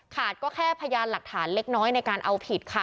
ก็แค่พยานหลักฐานเล็กน้อยในการเอาผิดค่ะ